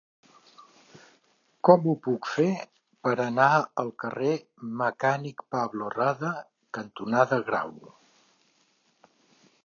Com ho puc fer per anar al carrer Mecànic Pablo Rada cantonada Grau?